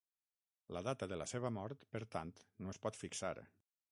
La data de la seva mort, per tant, no es pot fixar.